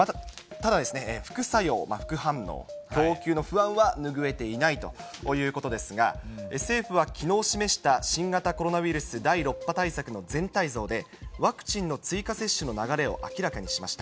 ただ、副作用、副反応、供給の不安は拭えていないということなんですが、政府はきのう示した新型コロナウイルス第６波対策の全体像でワクチンの追加接種の流れを明らかにしました。